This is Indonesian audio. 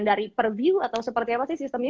dari per view atau seperti apa sih sistemnya